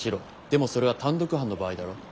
でもそれは単独犯の場合だろ？